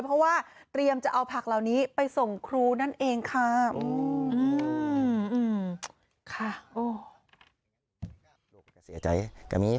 เพราะว่าเตรียมจะเอาผักเหล่านี้ไปส่งครูนั่นเองค่ะ